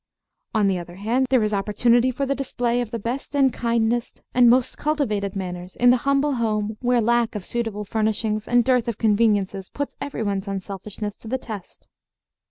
On the other hand, there is opportunity for the display of the best and kindest and most cultivated manners in the humble home where lack of suitable furnishings and dearth of conveniences puts everyone's unselfishness to the test.